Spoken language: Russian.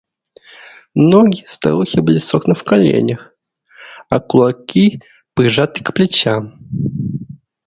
Ноги старухи были согнуты в коленях, а кулаки прижаты к плечам.